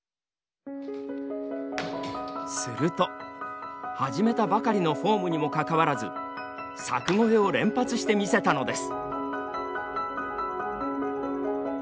すると始めたばかりのフォームにもかかわらず柵越えを連発してみせたのです。